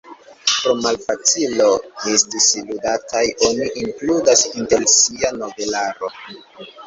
Pro malfacilo esti ludataj oni inkludas inter sia novelaro.